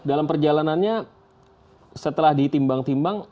dalam perjalanannya setelah ditimbang timbang